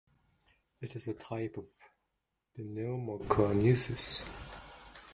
It is a type of pneumoconiosis.